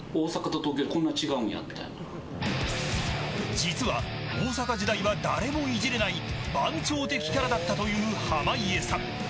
実は、大阪時代は誰もいじれない番長的キャラだったという濱家さん。